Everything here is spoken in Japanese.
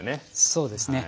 そうですね。